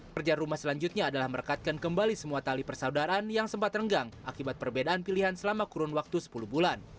pekerjaan rumah selanjutnya adalah merekatkan kembali semua tali persaudaraan yang sempat renggang akibat perbedaan pilihan selama kurun waktu sepuluh bulan